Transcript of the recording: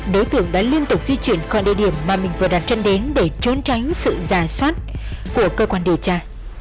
đối tượng đã liên tục di chuyển khỏi địa điểm mà mình vừa đặt chân đến để trốn tránh sự giả soát của cơ quan điều tra